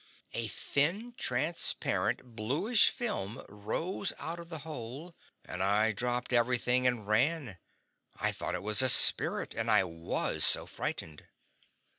A thin, transparent bluish film rose out of the hole, and I dropped everything and ran! I thought it was a spirit, and I WAS so frightened!